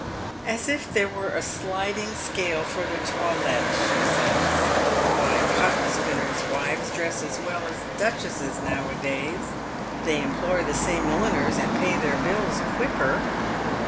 "As if there were a sliding scale for the toilet," she says. " Why, cotton spinners' wives dress as well as duchesses now a days. They employ the same milliners, and pay their bills quicker."